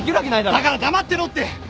だから黙ってろって！